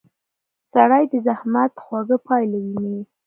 سړی د زحمت خوږه پایله ویني